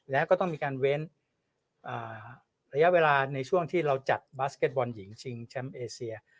แล้วก็ต้องมีการเว้นระยะเวลาในช่วงที่เราจัดบาสเก็ตบอลหญิงชิงแชมป์เอเซีย